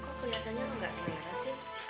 kok kenyataan lu gak selera sih